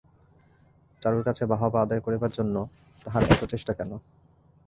চারুর কাছে বাহবা আদায় করিবার জন্য তাহার এত চেষ্টা কেন।